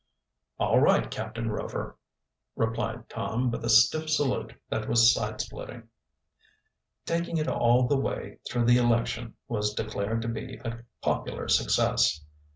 "All right, Captain Rover," replied Tom, with a stiff salute that was side splitting. Taking it all the way through the election was declared to be a popular success.